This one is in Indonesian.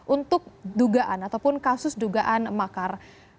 untuk dugaan ataupun kasus dugaan makar